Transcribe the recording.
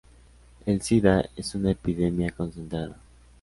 El sida es una epidemia concentrada.